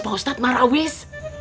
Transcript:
pak ustadz marah wis